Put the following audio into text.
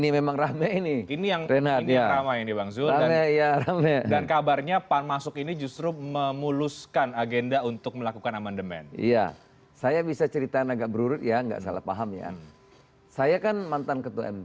mereka harus menghariskan